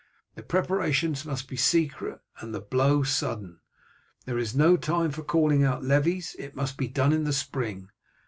The preparations must be secret and the blow sudden. There is no time for calling out levies, that must be done in the spring.